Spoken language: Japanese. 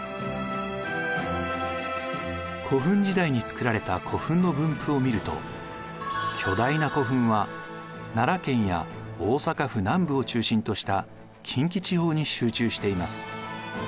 古墳時代に造られた古墳の分布を見ると巨大な古墳は奈良県や大阪府南部を中心とした近畿地方に集中しています。